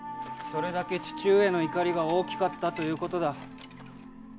それだけ父上の怒りが大きかったということだ。